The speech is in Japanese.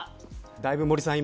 だいぶ森さん